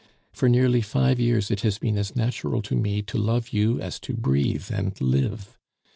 For nearly five years it has been as natural to me to love you as to breathe and live.